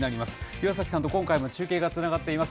岩崎さんと今回も中継がつながっています。